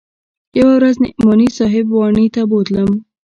يوه ورځ نعماني صاحب واڼې ته بوتلم.